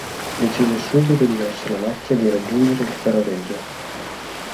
Decise subito di darsi alla macchia e di raggiungere il Ferrarese.